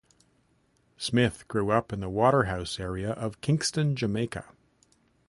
Smith grew up in the Waterhouse area of Kingston, Jamaica.